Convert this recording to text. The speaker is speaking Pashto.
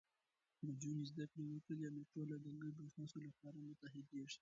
نجونې زده کړه وکړي، نو ټولنه د ګډو هڅو لپاره متحدېږي.